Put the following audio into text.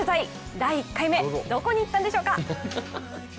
第１回目、どこに行ったのでしょうか。